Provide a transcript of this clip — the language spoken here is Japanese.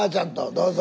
どうぞ。